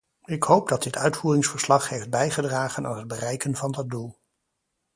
Ik hoop dat dit uitvoeringsverslag heeft bijgedragen aan het bereiken van dat doel.